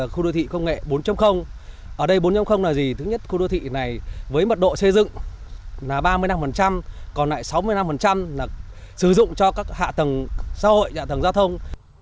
khu đô thị công nghệ bốn ở đây bốn là gì thứ nhất khu đô thị này với mật độ xây dựng là ba mươi năm còn lại sáu mươi năm là sử dụng cho các hạ tầng xã hội hạ tầng giao thông